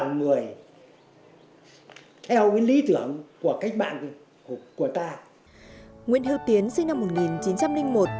nguyễn hữu tiến sinh năm một nghìn chín trăm linh một